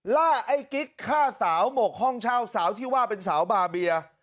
ไอ้กิ๊กฆ่าสาวหมกห้องเช่าสาวที่ว่าเป็นสาวบาเบีย